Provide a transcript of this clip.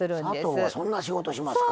砂糖はそんな仕事しますか。